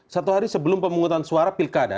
satu hari sebelum pemungutan suara pilkada